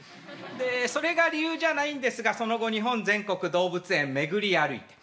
でそれが理由じゃないんですがその後日本全国動物園巡り歩いて。